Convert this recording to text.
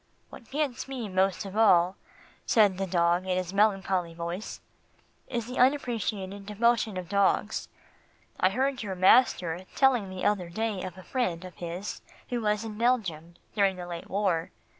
"What gets me most of all," said the dog in his melancholy voice, "is the unappreciated devotion of dogs. I heard your master telling the other day of a friend of his who was in Belgium during the late war.